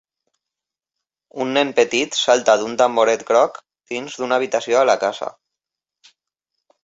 Un nen petit salta d'un tamboret groc dins d'una habitació a la casa.